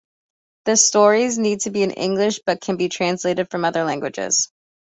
The stories need to be in English, but can be translated from other languages.